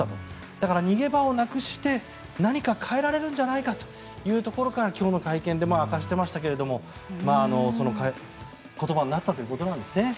だから、逃げ場をなくして何かを変えられるんじゃないかというところから今日の会見でも明かしてましたがその言葉になったということなんですね。